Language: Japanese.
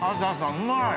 うまい。